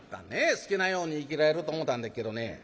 好きなように生きられると思たんでっけどね